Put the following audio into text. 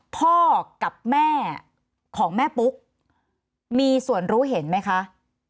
พ่อกับแม่ของแม่ปุ๊กมีส่วนรู้เห็นไหมคะ